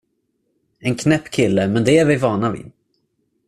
En knäpp kille, men det är vi vana vid.